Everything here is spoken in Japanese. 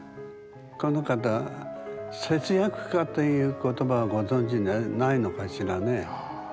この方節約家という言葉はご存じないのかしらね。